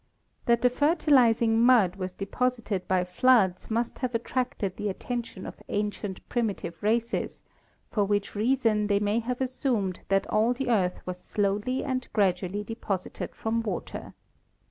That the fertilizing mud was deposited by floods must have attracted the at tention of ancient primitive races, for which reason they may have assumed that all the Earth was slowly and gradually deposited from water.